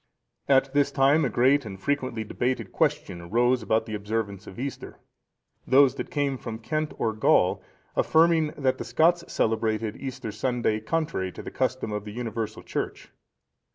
At this time, a great and frequently debated question arose about the observance of Easter;(456) those that came from Kent or Gaul affirming, that the Scots celebrated Easter Sunday contrary to the custom of the universal Church.